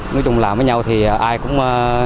nói chung làm với nhau thì ai cũng